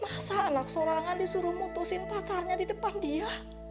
masa anak sorangan disuruh mutusin pacarnya di depan dia